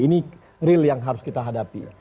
ini real yang harus kita hadapi